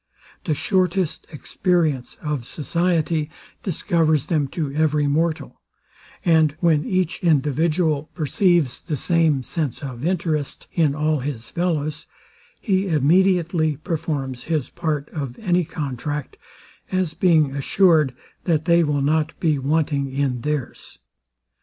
The shortest experience of society discovers them to every mortal; and when each individual perceives the same sense of interest in all his fellows, he immediately performs his part of any contract, as being assured, that they will not be wanting in theirs.